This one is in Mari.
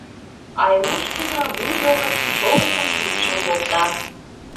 Айрушкина вуйжо гыч шовычым шупшыл волта.